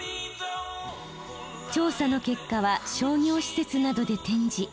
調査の結果は商業施設などで展示。